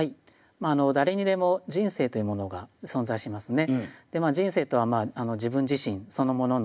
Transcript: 誰にでも人生というものが存在しますね。